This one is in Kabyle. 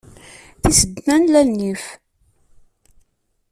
Tisednan la nnif.